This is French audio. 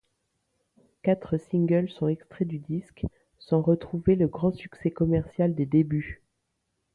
Quatre singles sont extraits du disque, sans retrouver le grand succès commercial des débuts.